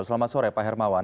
selamat sore pak hermawan